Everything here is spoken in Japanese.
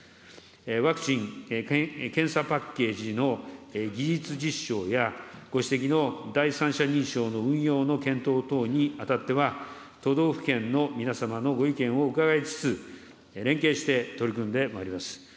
ワクチン・検査パッケージの技術実証や、ご指摘の第三者認証の運用の検討等にあたっては、都道府県の皆様のご意見を伺いつつ、連携して取り組んでまいります。